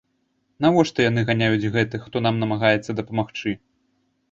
Навошта яны ганяюць гэтых, хто нам намагаецца дапамагчы?!